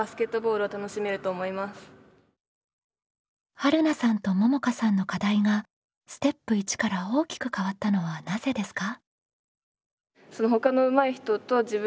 はるなさんとももかさんの課題がステップ１から大きく変わったのはなぜですか？